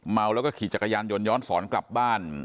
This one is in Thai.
เมาแล้วก็ขี่จักรยานยนย้อนสอนกลับบ้าน